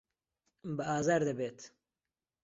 بە ئازار دەبێت.